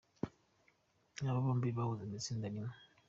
Aba bombi bahoze mu itsinda rimwe.